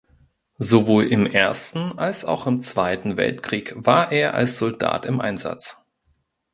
Sowohl im ersten als auch im Zweiten Weltkrieg war er als Soldat im Einsatz.